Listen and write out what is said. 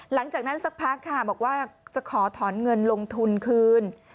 หลังจากนั้นสักพักค่ะบอกว่าจะขอถอนเงินลงทุนคืน